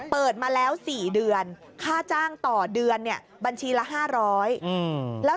เปิดมาแล้ว๔เดือนค่าจ้างต่อเดือนเนี่ยบัญชีละ๕๐๐บาท